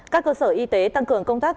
các cơ sở y tế tăng cường công tác